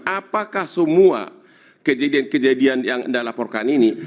apakah semua kejadian kejadian yang anda laporkan ini